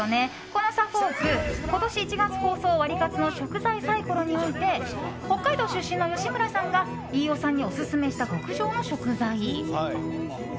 このサフォーク、今年１月放送のワリカツの食材サイコロにおいて北海道出身の吉村さんが飯尾さんにオススメした極上の食材。